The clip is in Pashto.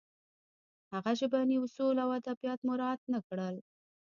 هغه ژبني اصول او ادبیات مراعت نه کړل